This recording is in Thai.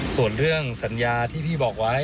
ส่วนเรื่องสัญญาที่พี่บอกไว้